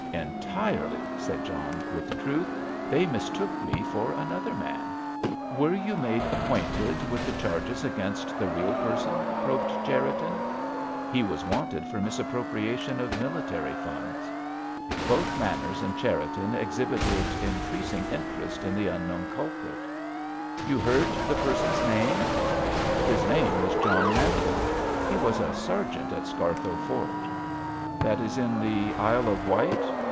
"Entirely," said John, with truth; "they mistook me for another man." "Were you made acquainted with the charges against the real person?" probed Cherriton. "He was wanted for misappropriation of military funds." Both Manners and Cherriton exhibited increasing interest in the unknown culprit. "You heard the person's name?" "His name was John Manton. He was a sergeant at Scarthoe Fort." "That is in the Isle of Wight?"